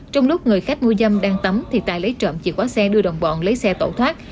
trong lúc người khách mua dâm đang tắm thì tài lấy trộm chìa khóa xe đưa đồng bọn lấy xe tẩu thoát